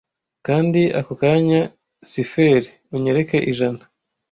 Kandi ako kanya cipher unyereke ijana,